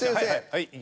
はい。